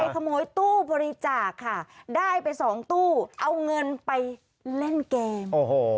ขโมยตู้บริจาคค่ะได้ไปสองตู้เอาเงินไปเล่นเกมโอ้โห